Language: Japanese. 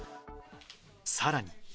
さらに。